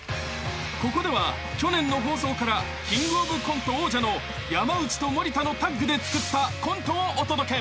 ［ここでは去年の放送からキングオブコント王者の山内と森田のタッグで作ったコントをお届け］